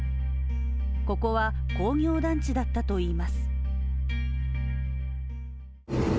ここは工業団地だったといいます。